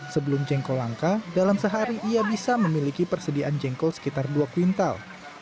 sebelum jengkol langka dalam sehari ia bisa memiliki persediaan jengkol sekitar dua kuintal